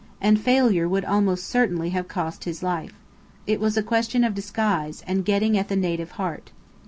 And failure would almost certainly have cost his life. It was a question of disguise, and getting at the native heart."